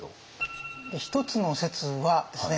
１つの説はですね